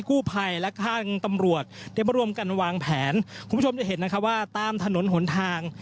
กู้ภัยและข้างตำรวจได้มาร่วมกันวางแผนคุณผู้ชมจะเห็นนะคะว่าตามถนนหนทาง